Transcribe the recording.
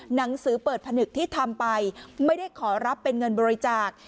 หนังสือเปิดผนึกที่ทำไปไม่ได้ขอรับเป็นเงินบริจาค